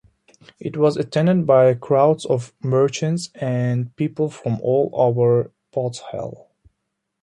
It was attended by crowds of merchants and people from all over Podhale.